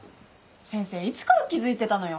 先生いつから気付いてたのよ